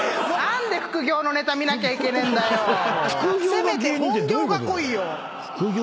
せめて本業が来いよ。